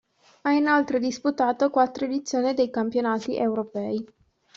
Ha inoltre disputato quattro edizioni dei Campionati europei.